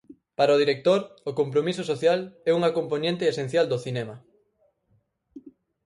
Para o director, o compromiso social é unha compoñente esencial do cinema.